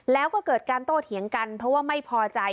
แล้วก็เกิดการโต้เถียงกันเพราะว่าไม่พอใจ